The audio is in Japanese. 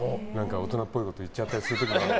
大人っぽいこと言っちゃったりする時も。